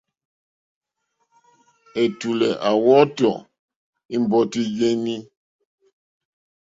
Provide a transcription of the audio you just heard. Ɛ̀tùlɛ̀ à wɔ́tɔ̀ ɛ̀mbɔ́tí yèní.